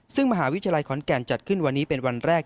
ซึ่งมหาวิทยาลัยขอนแก่นจัดขึ้นวันนี้เป็นวันแรก